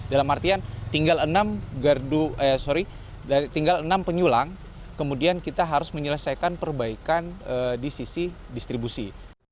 dalam artian tinggal enam penyulang kemudian kita harus menyelesaikan perbaikan di sisi distribusi